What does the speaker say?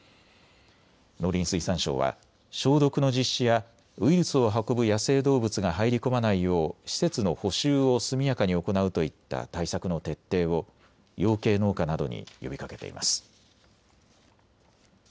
農林水産省は消毒の実施やウイルスを運ぶ野生動物が入り込まないよう施設の補修を速やかに行うといった対策の徹底を養鶏農家などに呼びかけています。